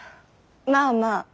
まあまあ。